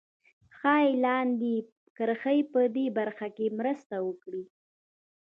ښایي لاندې کرښې په دې برخه کې مرسته وکړي